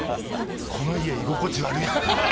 この家、居心地悪いって。